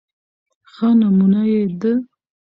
ښه نمونه يې د